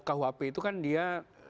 khp itu kan dia